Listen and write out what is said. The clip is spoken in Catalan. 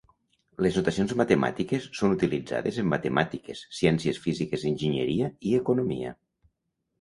Les notacions matemàtiques són utilitzades en matemàtiques, ciències físiques, enginyeria i economia.